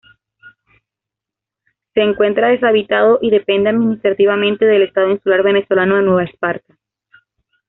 Se encuentra deshabitado y depende administrativamente del Estado insular venezolano de Nueva Esparta.